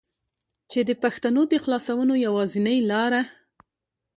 چې دې پښتنو د خلاصونو يوازينۍ لاره